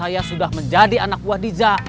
anak buah saya sudah menjadi anak buah diza